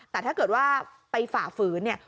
แต่ถ้าเกิดว่าไปฝ่าฝืนเนี่ย